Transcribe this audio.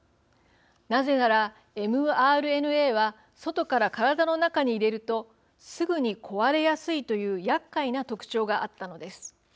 なぜなら、ｍＲＮＡは外から体の中に入れるとすぐに壊れやすいという厄介な特徴があったのです。